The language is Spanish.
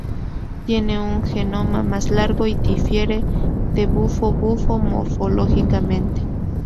Tiene un genoma más largo y difiere de Bufo bufo morfológicamente.